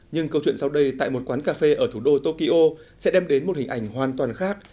nhưng câu chuyện sau đây tại một quán cà phê ở thủ đô tokyo sẽ đem đến một hình ảnh hoàn toàn khác